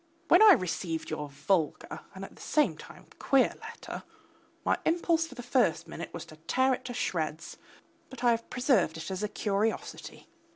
When I received your vulgar and at the same time queer letter, my impulse for the first minute was to tear it into shreds, but I have preserved it as a curiosity.